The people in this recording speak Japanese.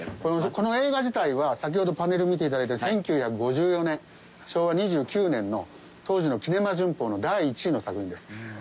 この映画自体は先ほどパネル見て頂いて１９５４年昭和２９年の当時のキネマ旬報の第１位の作品です。